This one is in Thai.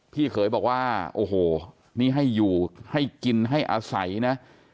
พี่เขยบอกว่าโอ้โหนี่ให้อยู่ให้กินให้อาศัยนะ